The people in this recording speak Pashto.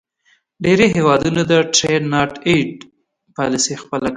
ډیری هیوادونو د Trade not aid پالیسي خپله کړې.